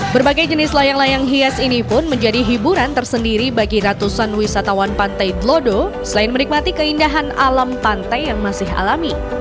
berbagai jenis layang layang hias ini pun menjadi hiburan tersendiri bagi ratusan wisatawan pantai dlodo selain menikmati keindahan alam pantai yang masih alami